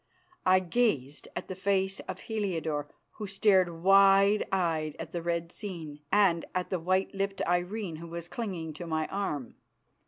I gazed at the face of Heliodore, who stared wide eyed at the red scene, and at the white lipped Irene, who was clinging to my arm.